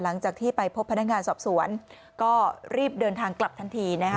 หลังจากที่ไปพบพนักงานสอบสวนก็รีบเดินทางกลับทันทีนะคะ